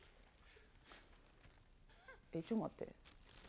えっ、ちょ待って。